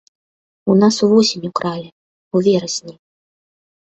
У нас увосень укралі, у верасні.